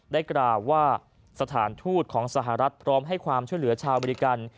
ได้กล่าวว่าสถานทูตของสหรัฐพร้อมให้ความช่วยเหลือชาวอเมริกัน